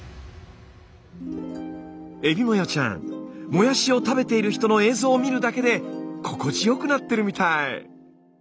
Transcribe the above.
えびまよちゃんもやしを食べている人の映像を見るだけで心地よくなってるみたい！